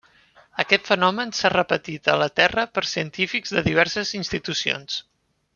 Aquest fenomen s'ha repetit a la Terra per científics de diverses institucions.